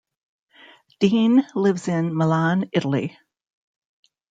Deen lives in Milan, Italy.